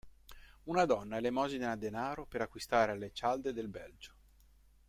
Una donna elemosina denaro per acquistare le cialde del Belgio.